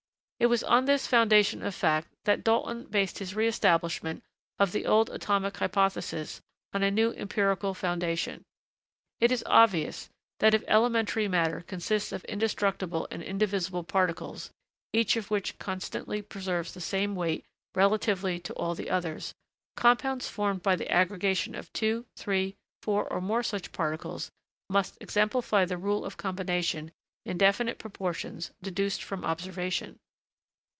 It was on this foundation of fact that Dalton based his re establishment of the old atomic hypothesis on a new empirical foundation. It is obvious, that if elementary matter consists of indestructible and indivisible particles, each of which constantly preserves the same weight relatively to all the others, compounds formed by the aggregation of two, three, four, or more such particles must exemplify the rule of combination in definite proportions deduced from observation.